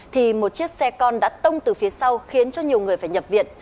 thì một chiếc xe con đã tông từ phía sau khiến cho nhiều người phải nhập viện